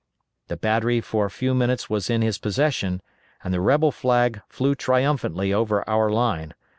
The battery for a few minutes was in his possession, and the rebel flag flew triumphantly over our line.